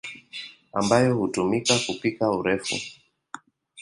ambayo hutumika kupika urefu.